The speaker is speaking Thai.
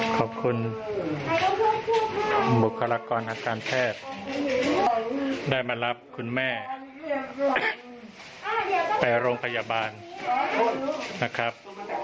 ขอบคุณบุคลากรทางการแพทย์ได้มารับคุณแม่ไปโรงพยาบาลนะครับ